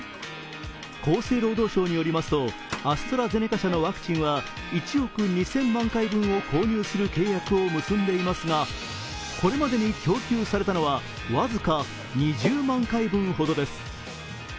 厚生労働省によりますと、アストラゼネカ社のワクチンは１億２０００万回分を購入する契約を結んでいますが、これまでに供給されたのは僅か２０万回分ほどです。